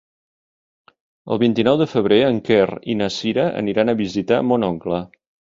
El vint-i-nou de febrer en Quer i na Cira aniran a visitar mon oncle.